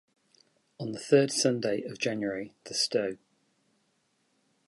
On the third Sunday of January, the Sto.